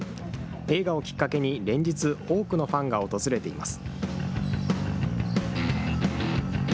映画をきっかけに連日、多くのファンが訪れています。